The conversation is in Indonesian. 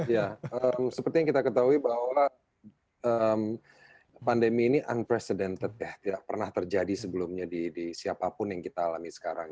ya seperti yang kita ketahui bahwa pandemi ini unprecedented ya tidak pernah terjadi sebelumnya di siapapun yang kita alami sekarang